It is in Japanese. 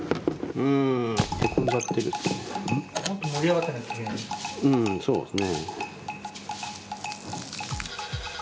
うんそうですね。